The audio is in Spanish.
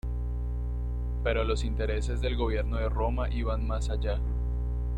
Pero los intereses del gobierno de Roma iban más allá.